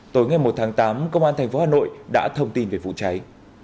tối ngày một tháng tám công an thành phố hà nội đã thông tin về vụ cháy